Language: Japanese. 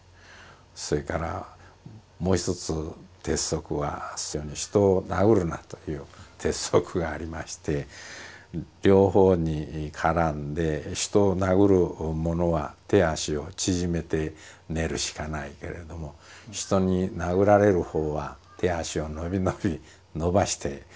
それからもう一つ鉄則は「人を殴るな」という鉄則がありまして両方に絡んで人を殴る者は手足を縮めて寝るしかないけれども人に殴られるほうは手足を伸び伸び伸ばして寝られると。